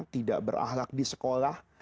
tidak berahlak di sekolah